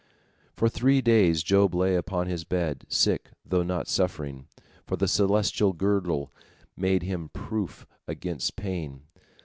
For three days Job lay upon his bed, sick though not suffering, for the celestial girdle made him proof against pain.